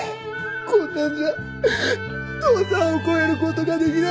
こんなんじゃ父さんを超えることができない。